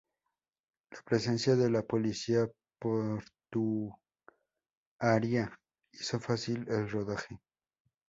La presencia de la policia portuaria hizo fácil el rodaje.